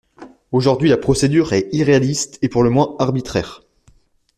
Aujourd’hui, la procédure est irréaliste et pour le moins arbitraire.